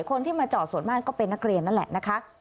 คนที่มาจอดส่วนมากก็เป็นนักเรียนนั่นแหละนะคะ